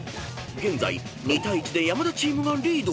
［現在２対１で山田チームがリード］